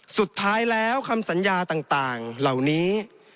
สุดท้ายแล้วคำสัญญาต่างเหล่านี้